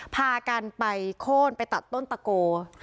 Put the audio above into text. พากันไปโค้นไปตัดต้นตะโก